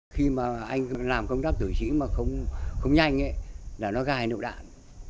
khi mà anh làm công tác tử sĩ mà không nhanh ấy là nó gai nụ đạn